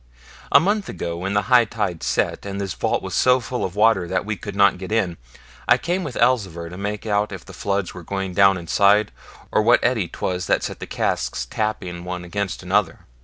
A month ago, when the high tide set, and this vault was so full of water that we could not get in, I came with Elzevir to make out if the floods were going down inside, or what eddy 'twas that set the casks tapping one against another.